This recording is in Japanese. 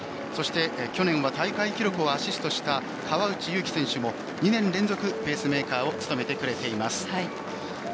そして去年は大会記録をアシストした川内優輝選手も２年連続ペースメーカーを務めてくれています。